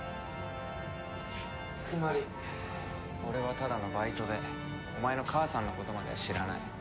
つまり俺はただのバイトでお前の母さんのことまでは知らない。